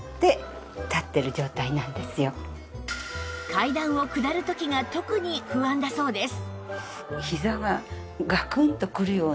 階段を下る時が特に不安だそうです